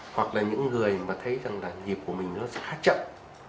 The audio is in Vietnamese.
hoặc là những người mà thấy rằng là nhịp của mình nó sẽ khá chậm